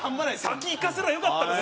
「先行かせればよかった」。